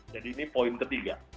jadi ini poin ketiga